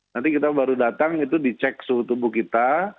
nanti kita baru datang itu dicek suhu tubuh kita